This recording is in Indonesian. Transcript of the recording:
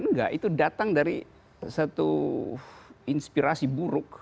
enggak itu datang dari satu inspirasi buruk